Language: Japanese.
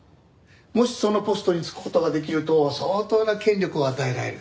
もしそのポストに就く事ができると相当な権力を与えられる。